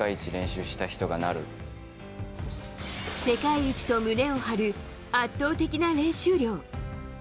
世界一と胸を張る圧倒的な練習量。